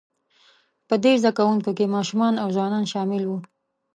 په دې زده کوونکو کې ماشومان او ځوانان شامل وو،